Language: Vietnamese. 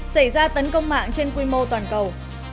xảy ra tấn công mạng trên quy mô toàn cầu